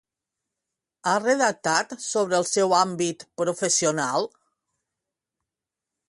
Ha redactat sobre el seu àmbit professional?